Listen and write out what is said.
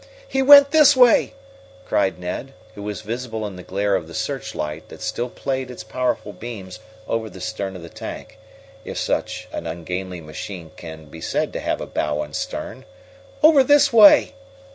"He went this way!" cried Ned, who was visible in the glare of the searchlight that still played its powerful beams over the stern of the tank, if such an ungainly machine can be said to have a bow and stern. "Over this way!"